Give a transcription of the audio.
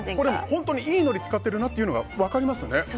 本当にいいのり使っているのが分かりますね。